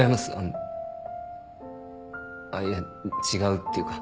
あっいや違うっていうか。